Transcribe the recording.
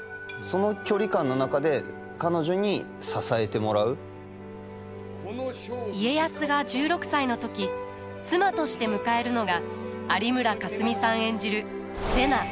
とにかく僕にとって家康が１６歳の時妻として迎えるのが有村架純さん演じる瀬名。